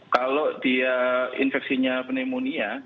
kalau dia infeksinya pneumonia